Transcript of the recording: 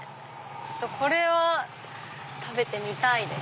これは食べてみたいです！